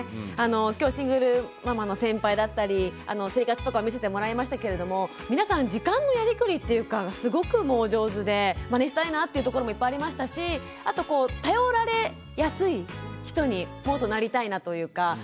今日シングルママの先輩だったり生活とかを見せてもらいましたけれども皆さん時間のやりくりというかすごくお上手でまねしたいなっていうところもいっぱいありましたしあとこう頼られやすい人にもっとなりたいなというか。